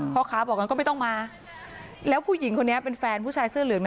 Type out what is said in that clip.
พ่อค้าก็บอกไม่ต้องมาแล้วผู้หญิงเป็นแฟนผู้ชายเสื้อเหลือง